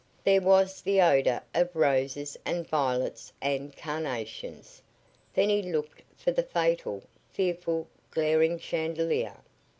There was the odor of roses and violets and carnations. Then he looked for the fatal, fearful, glaring chandelier.